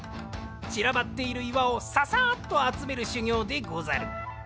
ちらばっている岩をササッとあつめるしゅぎょうでござる。